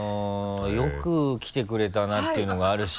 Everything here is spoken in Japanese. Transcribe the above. よく来てくれたなっていうのがあるし。